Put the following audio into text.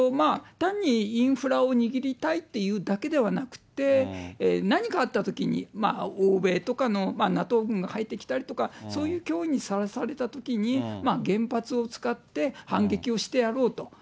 単にインフラを握りたいというだけではなくて、何かあったときに、欧米とかのＮＡＴＯ軍とかが入ってきたりとか、そういう脅威にさらされたときに、原発を使って、反撃をしてやろうと。